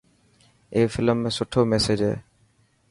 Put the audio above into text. اي فلم ۾ سٺو ميسج هي.